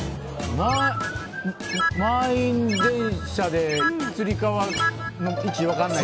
満員電車でつり革の位置分かんない人。